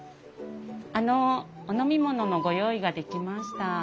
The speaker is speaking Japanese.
あのお飲み物のご用意ができました。